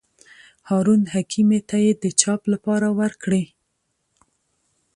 هارون حکیمي ته یې د چاپ لپاره ورکړي.